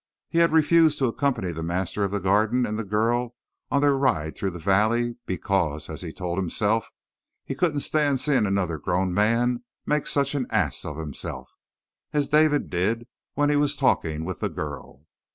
He had refused to accompany the master of the Garden and the girl on their ride through the valley because, as he told himself, he "couldn't stand seeing another grown man make such an ass of himself" as David did when he was talking with the girl.